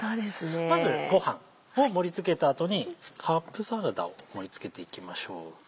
まずご飯を盛り付けた後にカップサラダを盛り付けていきましょう。